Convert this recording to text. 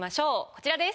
こちらです。